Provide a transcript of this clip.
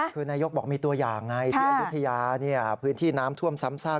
คือนายกบอกมีตัวอย่างไงที่อายุทยาพื้นที่น้ำท่วมซ้ำซาก